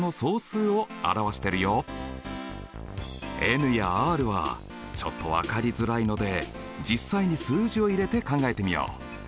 ｎやｒはちょっと分かりづらいので実際に数字を入れて考えてみよう。